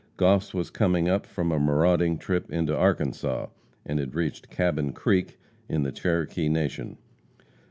Goss was coming up from a marauding trip into Arkansas, and had reached Cabin Creek, in the Cherokee Nation.